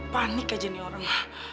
panik aja nih orang